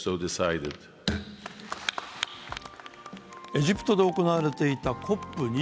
エジプトで行われていたＣＯＰ２７。